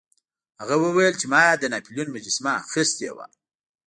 هغه وویل چې ما د ناپلیون مجسمه اخیستې وه.